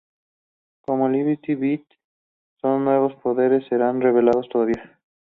Como Liberty Belle, sus nuevos poderes serán revelados todavía.